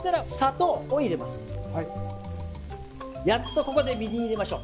やっとここでみりん入れましょう。